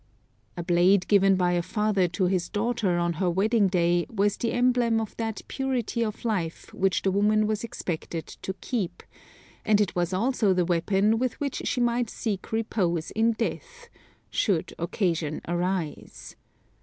A blade given by a father to his daughter on her wedding day was the emblem of that purity of life which the woman was expected to keep, and it was also the weapon with which she might seek repose in death, should occasion arise.